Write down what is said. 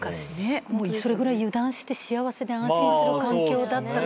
それぐらい油断して幸せで安心する環境だった。